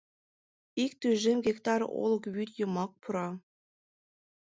Ик тӱжем гектар олык вӱд йымак пура...